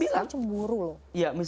saya cemburu loh